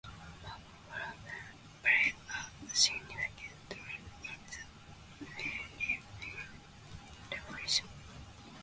Maragondon played a significant role in the Philippine revolution.